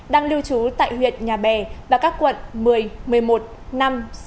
đang lưu trú tại huyện nhà bè và các quận một mươi một mươi một năm sáu